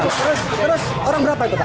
terus orang berapa itu pak